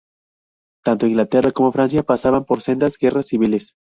Tanto Inglaterra como Francia pasaban por sendas guerras civiles.